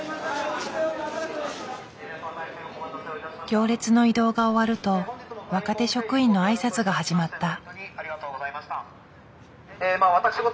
行列の移動が終わると若手職員の挨拶が始まった。